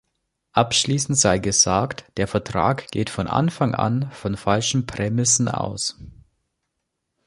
Abschließend sei gesagt, der Vertrag geht von Anfang an von falschen Prämissen aus.